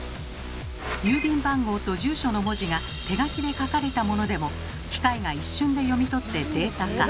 郵便番号と住所の文字が手書きで書かれたものでも機械が一瞬で読み取ってデータ化。